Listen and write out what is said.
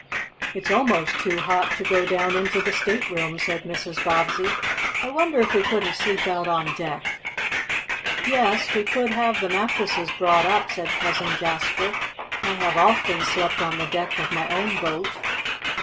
"It's almost too hot to go down into the staterooms," said Mrs. Bobbsey. "I wonder if we couldn't sleep out on deck?" "Yes, we could have the mattresses brought up," said Cousin Jasper. "I have often slept on the deck of my own boat."